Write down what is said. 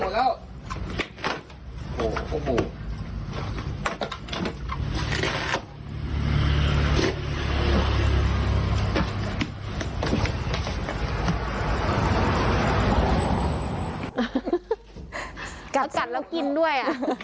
กัดแล้วกินด้วย